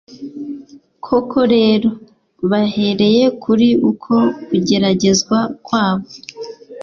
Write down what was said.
koko rero, bahereye kuri uko kugeragezwa kwabo